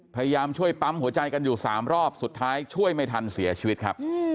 พยายามช่วยปั๊มหัวใจกันอยู่๓รอบสุดท้ายช่วยไม่ทันเสียชีวิตครับ